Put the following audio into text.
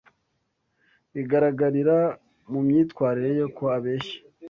Bigaragarira mu myitwarire ye ko abeshya.